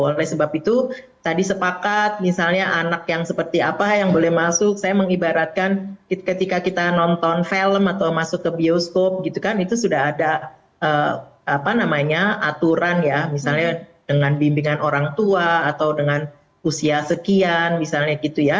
oleh sebab itu tadi sepakat misalnya anak yang seperti apa yang boleh masuk saya mengibaratkan ketika kita nonton film atau masuk ke bioskop gitu kan itu sudah ada aturan ya misalnya dengan bimbingan orang tua atau dengan usia sekian misalnya gitu ya